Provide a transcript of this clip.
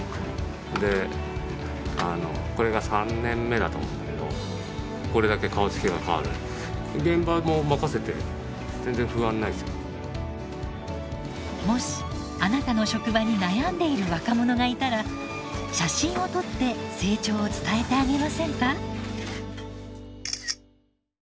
であのこれが３年目だと思うんだけどもしあなたの職場に悩んでいる若者がいたら写真を撮って成長を伝えてあげませんか？